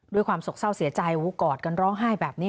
ด้วยความสกเศร้าเสียใจกอดกันร้องไห้แบบนี้